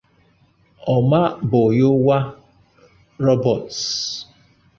Omaboyowa Roberts